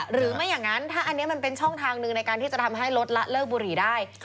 หรือไม่อย่างนั้นถ้าอันนี้มันเป็นช่องทางหนึ่งในการที่จะทำให้ลดละเลิกบุหรี่ได้